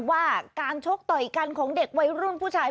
ว่าการชกต่อยกันของเด็กวัยรุ่นผู้ชาย